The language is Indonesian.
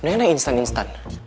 mendingan yang instan instan